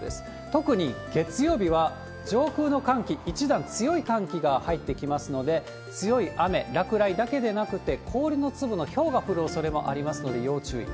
特に月曜日は上空の寒気、一段強い寒気が入ってきますので、強い雨、落雷だけでなくて、氷の粒のひょうが降るおそれもありますので要注意。